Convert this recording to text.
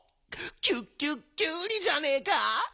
キュッキュッキュウリじゃねえか！